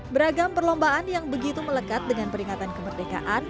beragam perlombaan yang begitu melekat dengan peringatan kemerdekaan